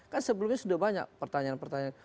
kan sebelumnya sudah banyak pertanyaan pertanyaan